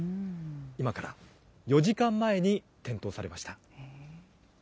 今から４時間前に点灯されました。